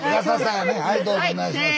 はいどうぞお願いします。